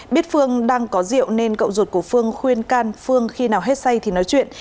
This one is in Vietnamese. biết phương đang có rượu nên cậu ruột của phương khuyên can phương khi nào hết say thì nói chuyện